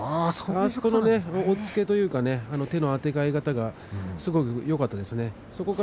あそこの押っつけというかあてがえ方がよかったですね。